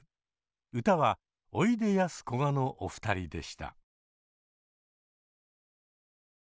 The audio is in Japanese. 歌はおいでやすこがのお二人でした。